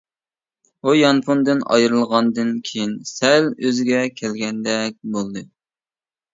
ئۇ يانفوندىن ئايرىلغاندىن كىيىن سەل ئۆزىگە كەلگەندەك بولدى.